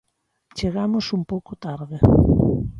Chegamos un pouco tarde.